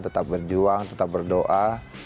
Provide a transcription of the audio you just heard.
tetap berjuang tetap berdoa